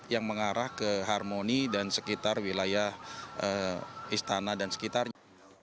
yang mengarah ke harmoni dan sekitar wilayah istana dan sekitarnya